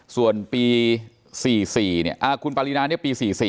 ส่วนปี๔๔คุณปารีนานี่ปี๔๔